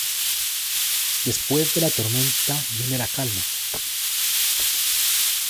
Después de la tormenta viene la calma.